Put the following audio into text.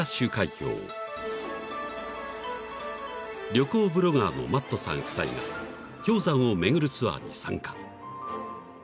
［旅行ブロガーのマットさん夫妻が氷山を巡るツアーに参加］